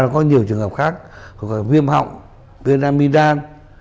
có nhiều trường hợp khác có là viêm họng viên aminan